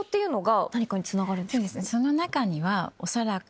その中には恐らく。